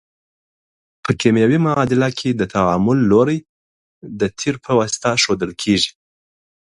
په کیمیاوي معادله کې د تعامل لوری د تیر په واسطه ښودل کیږي.